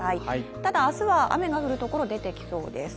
ただ明日は雨が降る所が出てきそうです。